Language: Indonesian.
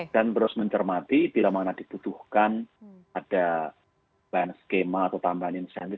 dan terus mencermati bila mana diputuhkan ada lain skema atau tambahan insentif